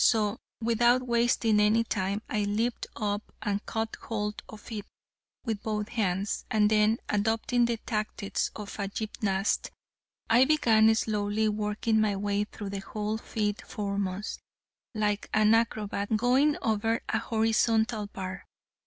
So, without wasting any time, I leaped up and caught hold of it with both hands, and then, adopting the tactics of a gymnast, I began slowly working my way through the hole feet foremost, like an acrobat going over a horizontal bar.